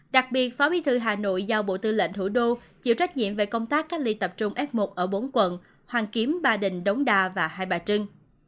đặc biệt phó bí thư hà nội giao bộ tư lệnh thủ đô chịu trách nhiệm về công tác cách ly tập trung f một ở bốn quận hoàn kiếm ba đình đống đa và hai bà trưng